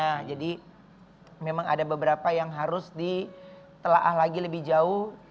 nah jadi memang ada beberapa yang harus ditelaah lagi lebih jauh